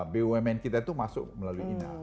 bumn kita itu masuk melalui ina